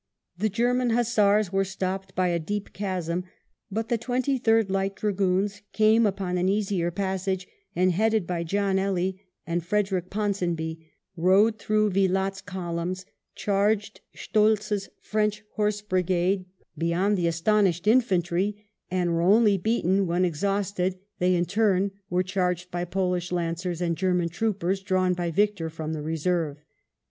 The German Hussars were stopped by a deep chasm, but the Twenty third Light Dragoons came upon an easier passage, and, headed by John EUey and Frederick Ponsonby, rode through Vilatte's columns, charged Strolz's French horse brigade beyond the VI THE DEFEAT OF THE FRENCH 123 astonished infantry, and were only beaten when, ex hausted, they in turn were charged by Polish Lancers and German troopers drawn by Victor from the reserve.